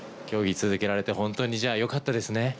競技続けられて本当にじゃあ、よかったですね。